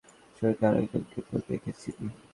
ছবিতে আরেক জনকে তো দেখিসিনি।